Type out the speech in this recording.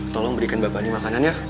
tolong berikan bapak nih makanan ya